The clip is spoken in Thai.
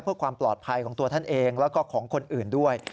เพื่อความปลอดภัยของตัวท่านเองแล้วก็ของคนอื่นด้วย